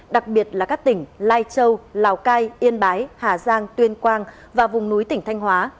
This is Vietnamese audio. đặc biệt là các tỉnh lai châu lào cai yên bái hà giang tuyên quang và vùng núi tỉnh thanh hóa